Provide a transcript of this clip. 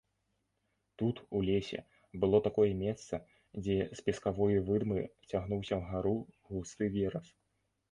Тут, у лесе, было такое месца, дзе з пескавой выдмы цягнуўся ўгару густы верас.